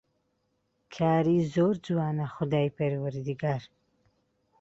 کاری زۆر جوانە خودای پەروەردگار